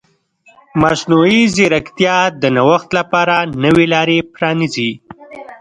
مصنوعي ځیرکتیا د نوښت لپاره نوې لارې پرانیزي.